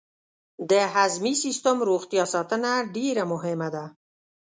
د هضمي سیستم روغتیا ساتنه ډېره مهمه ده.